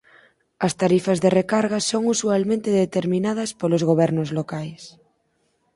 As tarifas de recarga son usualmente determinadas polos gobernos locais.